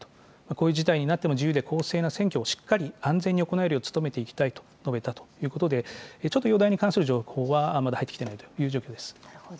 こういう事態になっても自由で公正な選挙をしっかり安全に行えるよう、努めていきたいと述べたということで、ちょっと容体に関する情報はまだ入ってきていないという状況です。